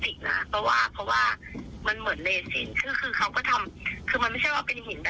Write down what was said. นะเพราะว่าเพราะว่ามันเหมือนเลสินซึ่งคือเขาก็ทำคือมันไม่ใช่ว่าเป็นหินแบบ